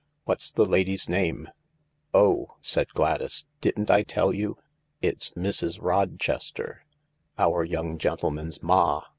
"What's the lady's name ?"" Oh," said Gladys, " didn't I tell you ? It's Mrs. Roches ter—our young gentleman's ma.